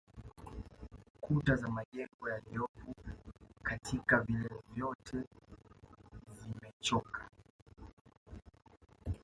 Kuta za majengo yaliyopo katika vilele vyote zimechoka